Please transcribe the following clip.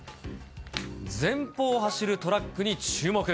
前方を走るトラックに注目。